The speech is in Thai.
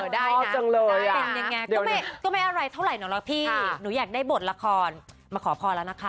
ได้จังเลยเป็นยังไงก็ไม่อะไรเท่าไหร่พี่หนูอยากได้บทละครมาขอพรแล้วนะคะ